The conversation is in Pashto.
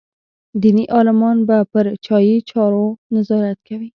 دیني عالمان به پر چاپي چارو نظارت کوي.